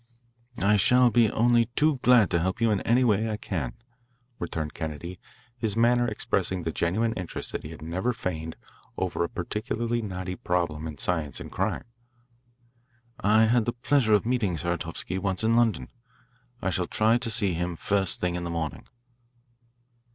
"I shall be only too glad to help you in any way I can," returned Kennedy, his manner expressing the genuine interest that he never feigned over a particularly knotty problem in science and crime. "I had the pleasure of meeting Saratovsky once in London. I shall try to see him the first thing in the morning."